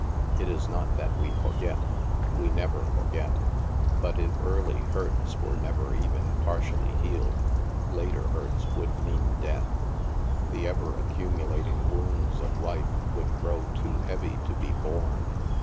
It is not that we forget. We never forget But if early hurts were never even partially healed, later hurts would mean death. The ever accumulat ing wounds of life would grow too heavy to be borne.